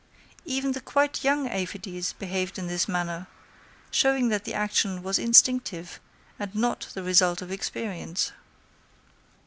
Even the quite young aphides behaved in this manner, showing that the action was instinctive, and not the result of experience.